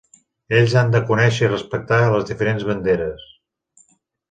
Ells han de conèixer i respectar les diferents banderes.